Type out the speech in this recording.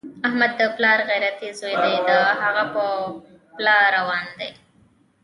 احمد د پلار غیرتي زوی دی، د هغه په پله روان دی.